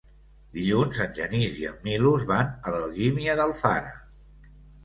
Dilluns en Genís i en Milos van a Algímia d'Alfara.